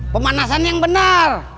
pemanasan yang benar